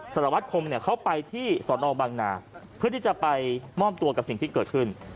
สารวัตรคมเนี่ยเขาไปที่สอนอบังนาเพื่อที่จะไปมอบตัวกับสิ่งที่เกิดขึ้น